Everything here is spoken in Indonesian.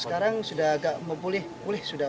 sekarang sudah agak memulih mulai agak pulih kakinya